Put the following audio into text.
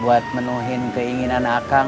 buat menuhin keinginan akang